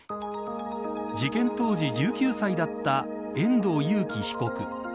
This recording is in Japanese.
事件当時１９歳だった遠藤裕喜被告。